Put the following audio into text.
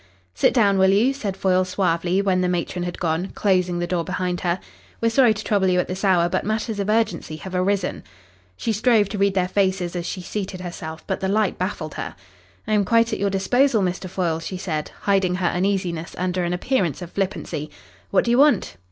"Sit down, will you," said Foyle suavely, when the matron had gone, closing the door behind her. "We're sorry to trouble you at this hour, but matters of urgency have arisen." She strove to read their faces as she seated herself, but the light baffled her. "I am quite at your disposal, Mr. Foyle," she said, hiding her uneasiness under an appearance of flippancy. "What do you want?"